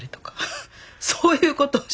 そういうことをして喜んだり。